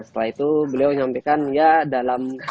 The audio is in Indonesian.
setelah itu beliau menyampaikan ya dalam